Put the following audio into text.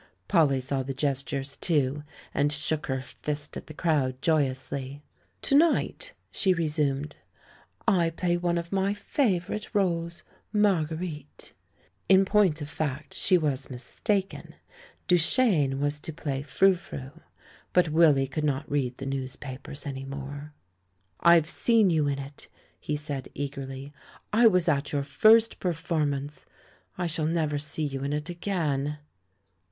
Polly saw the gestures, too, and shook her fist at the crowd joyously. *'To night," she resumed, "I play one of my favourite roles — Marguerite," In point of fact she was mistaken: Duchene was to play Frou Frou. But Willy could not read the newspapers any more. "I've seen you in it," he said eagerly. "I was at your first performance. I shall never see you in it again."